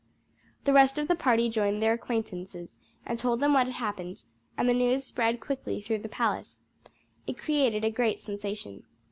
The rest of the party joined their acquaintances, and told them what had happened, and the news spread quickly through the palace. It created a great sensation.